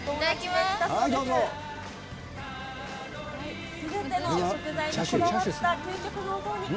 すべての食材にこだわった究極のお雑煮。